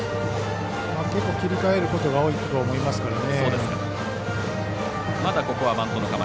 結構、切り替えることが多いと思いますからね。